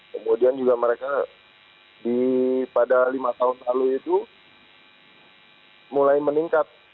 kemudian juga mereka pada lima tahun lalu itu mulai meningkat